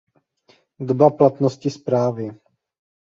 Doba platnosti zprávy.